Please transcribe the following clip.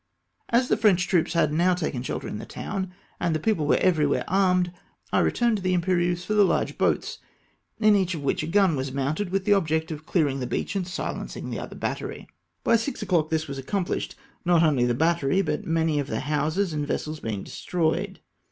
As the French troops had now taken shelter in the town, and the people were everywhere armed, I re turned to the Imperieuse for the large boats, in each of which a gun was mounted, with the object of clearing the beach and silencing the other battery. By 6 o'clock this was accomphshed, not only the battery, but many of the houses and vessels being destroyed.